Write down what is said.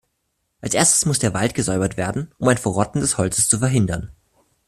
Als erstes muss der Wald gesäubert werden, um ein Verrotten des Holzes zu verhindern.